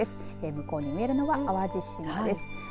向こうに見えるのは淡路島です。